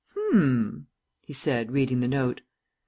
H'm!" he said, reading the note.